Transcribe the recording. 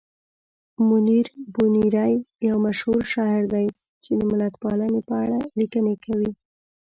منیر بونیری یو مشهور شاعر دی چې د ملتپالنې په اړه لیکنې کوي.